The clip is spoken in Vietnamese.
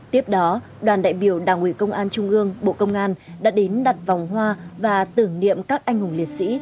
tiếp đó đoàn đại biểu đảng ủy công an trung ương bộ công an đã đến đặt vòng hoa và tưởng niệm các anh hùng liệt sĩ